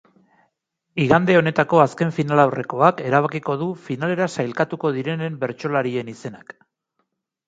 Igande honetako azken finalaurrekoak erabakiko du finalera sailkatuko direnenen bertsolarien izenak.